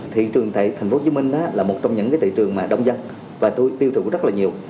thị trường tại thành phố hồ chí minh là một trong những cái thị trường mà đông dân và tiêu thụ rất là nhiều